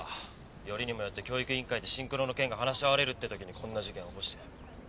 よりにもよって教育委員会でシンクロの件が話し合われるってときにこんな事件を起こして。